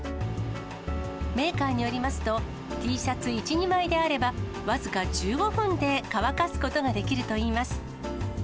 メーカーによりますと、Ｔシャツ１、２枚であれば、僅か１５分で乾かすことができるといいます。